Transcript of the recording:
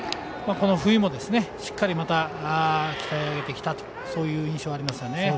この冬もしっかり鍛え上げてきたそういう印象がありますね。